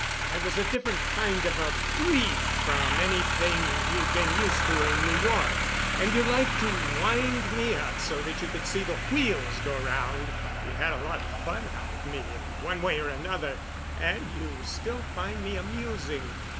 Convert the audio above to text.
I was a different kind of a breed from anything you'd been used to in New York, and you liked to wind me up so that you could see the wheels go 'round. You've had a lot of fun out of me in one way or another, and you still find me amusing."